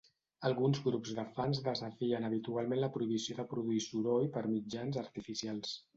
Alguns grups de fans desafien habitualment la prohibició de produir soroll per mitjans artificials.